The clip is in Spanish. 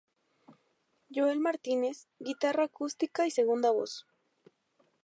Yoel Martínez, guitarra acústica y segunda voz.